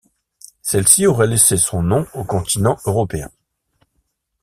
Celle-ci aurait laissé son nom au continent européen.